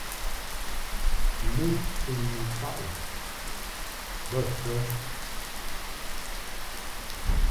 Lɨŋ mfɨŋni faʼ u bə kə ?